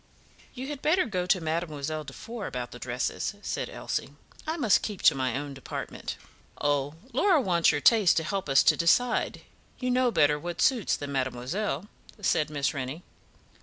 "You had better go to Mademoiselle Defour about the dresses," said Elsie. "I must keep to my own department." "Oh, Laura wants your taste to help us to decide; you know better what suits than mademoiselle," said Miss Rennie.